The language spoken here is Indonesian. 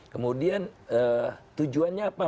kemudian tujuannya apa